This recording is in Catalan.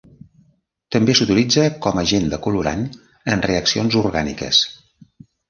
També s'utilitza com agent decolorant en reaccions orgàniques.